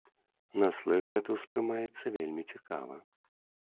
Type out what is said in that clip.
На слых гэта ўспрымаецца вельмі цікава.